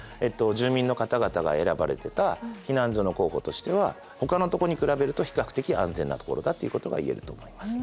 住民の方々が選ばれてた避難所の候補としてはほかのとこに比べると比較的安全な所だということが言えると思います。